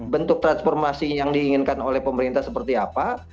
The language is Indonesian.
bentuk transformasi yang diinginkan oleh pemerintah seperti apa